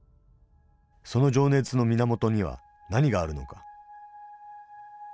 その情熱の源には何があるのか。